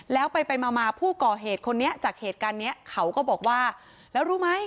แล้วไปไปมามาผู้ก่อเหตุคนนี้จากเหตุการณ์เนี้ยเขาก็บอกว่าแล้วรู้ไหม